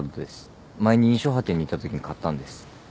前に『印象派展』に行ったときに買ったんです。